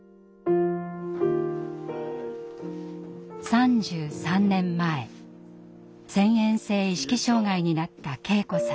３３年前遷延性意識障害になった圭子さん。